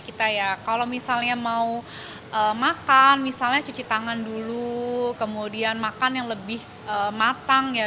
kita ya kalau misalnya mau makan misalnya cuci tangan dulu kemudian makan yang lebih matang ya